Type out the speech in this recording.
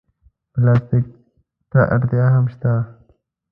پلاستيک ته اړتیا هم شته.